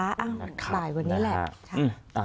อ้าวตายวันนี้แหละ